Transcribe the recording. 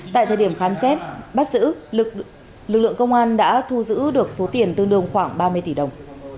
tại thời điểm khám xét bắt giữ lực lượng công an đã thu giữ được số tiền tương đương khoảng ba mươi tỷ đồng